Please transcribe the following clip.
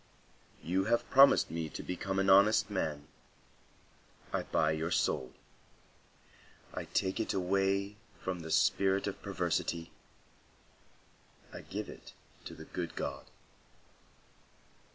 "You have promised me to become an honest man. I buy your soul. I take it away from the spirit of perversity; I give it to the good God."